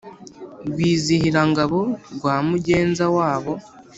Rwizihirangabo rwa Mugenza wabo ,